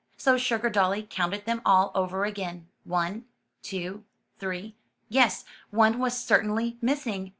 So Sugardolly counted them all over again — one, two, three; yes, one was certainly missing.